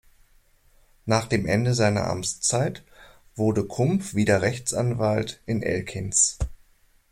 Nach dem Ende seiner Amtszeit wurde Kump wieder Rechtsanwalt in Elkins.